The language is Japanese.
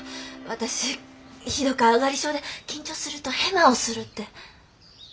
私ひどくあがり性で緊張するとヘマをするって。